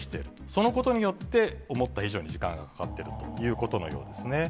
そのことによって、思った以上に時間がかかっているということのようですね。